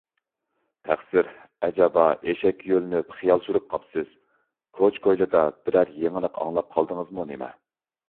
تەقسىر، ئەجەبا، ئىشىككە يۆلىنىپ خىيال سۈرۈپ قاپسىز، كوچا - كويلىدا بىرەر يېڭىلىق ئاڭلاپ قالدىڭىزمۇ نېمە؟